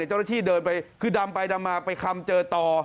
เจ้าหน้าที่เดินไปคือดำไปดำมาไปคลำเจอต่อ